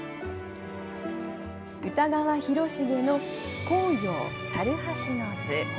歌川広重の甲陽猿橋之図。